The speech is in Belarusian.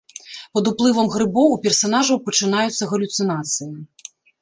Пад уплывам грыбоў у персанажаў пачынаюцца галюцынацыі.